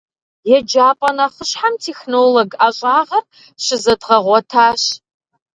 Еджапӏэ нэхъыщхьэм «технолог» ӏэщӏагъэр щызэдгъэгъуэтащ.